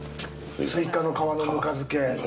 スイカの皮のぬか漬け。